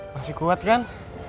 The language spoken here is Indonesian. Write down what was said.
masih kuat kan